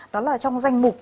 đó là trong danh mục